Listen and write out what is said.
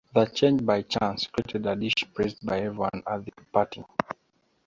The change, by chance, created a dish praised by everyone at the party.